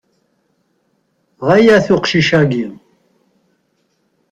Ɣaya-t uqcic-agi.